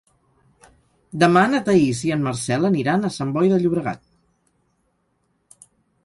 Demà na Thaís i en Marcel aniran a Sant Boi de Llobregat.